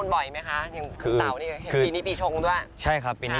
เราจ้าง